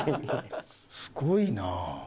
すごいな。